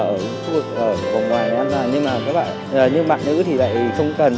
ở khu vực ở vòng đoàn nhưng mà các bạn như bạn nữ thì lại không cần